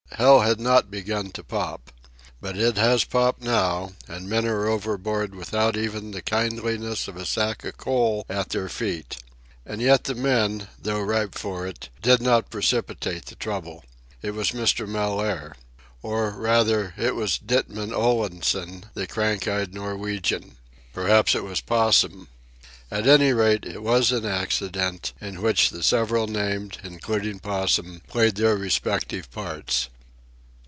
Hell had not begun to pop. But it has popped now, and men are overboard without even the kindliness of a sack of coal at their feet. And yet the men, though ripe for it, did not precipitate the trouble. It was Mr. Mellaire. Or, rather, it was Ditman Olansen, the crank eyed Norwegian. Perhaps it was Possum. At any rate, it was an accident, in which the several named, including Possum, played their respective parts.